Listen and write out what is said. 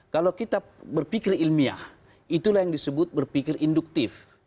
kalau kita berpikir ilmiah itulah yang disebut berpikir induktif